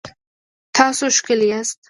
تاسو ښکلي یاست